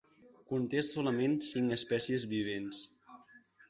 Conté solament cinc espècies vivents.